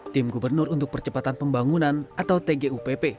tim gubernur untuk percepatan pembangunan atau tgupp